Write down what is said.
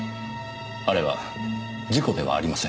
あれは事故ではありません。